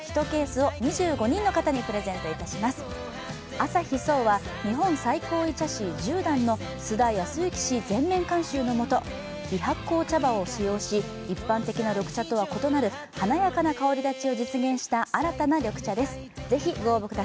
「アサヒ颯」は日本最高位茶師十段の酢田恭行氏全面監修のもと微発酵茶葉を使用し、一般的な緑茶とは異なる華やかな香り立ちを実現した新たな緑茶です。